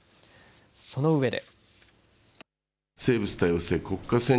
そのうえで。